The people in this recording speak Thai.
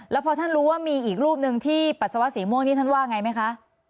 แล้วพอท่านรู้ว่ามีอีกรูปหนึ่งที่ปัสสาวะสีม่วงนี่ท่านว่าไงไหมคะ